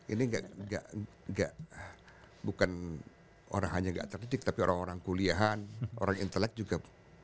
ini gak bukan orang hanya gak terdik tapi orang orang kuliahan orang intelek juga